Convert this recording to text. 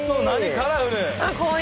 カラフル。